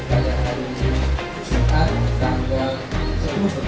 dari hari ini tanggal sepuluh februari